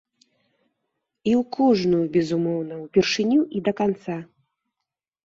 І у кожную, безумоўна, упершыню і да канца.